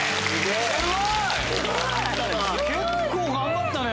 すごい！結構頑張ったね。